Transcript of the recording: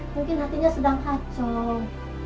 mungkin hatinya sedang kacau